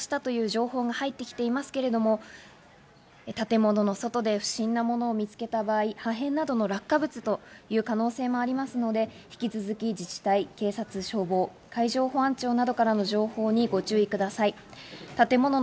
ミサイルはすでに落下したという情報が入ってきていますけれども、建物の外で不審なものを見つけた場合、破片などの落下物という可能性もありますので、引き続き自治体、警察、消防、海上保安庁などからの情報にご注意ください。